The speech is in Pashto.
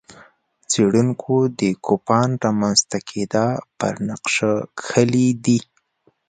څېړونکو د کوپان رامنځته کېدا پر نقشه کښلي دي.